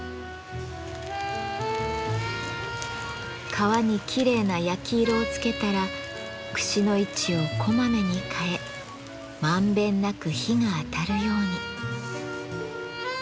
皮にきれいな焼き色をつけたら串の位置をこまめに変え満遍なく火が当たるように。